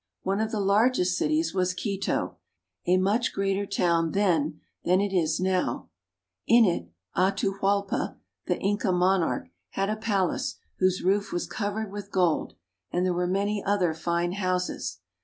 One of the largest cities was Quito, a much greater town then than it Is now. In It Atahualpa (a ta hwarpa), the Inca monarch, had a palace whose roof was covered with gold, and there were many other fine houses.